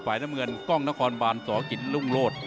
ฝ่ายน้ำเมืองกล้องนครบาลสอกิศรุ่งโลก